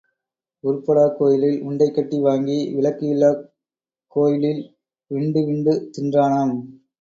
உருப்படாக் கோயிலில் உண்டைக் கட்டி வாங்கி விளக்கு இல்லாக் கோயிலில் விண்டு விண்டு தின்றானாம்.